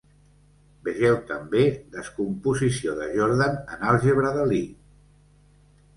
Vegeu també: descomposició de Jordan en àlgebra de Lie.